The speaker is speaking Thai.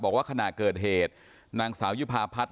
บอกว่าขณะเกิดเหตุนางสาวยุภาพัฒน